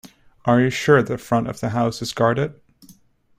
You are sure that the front of the house is guarded?